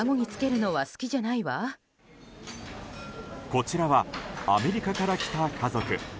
こちらはアメリカから来た家族。